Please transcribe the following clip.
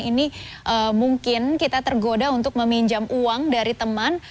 ini mungkin kita tergoda untuk meminjam uang dari teman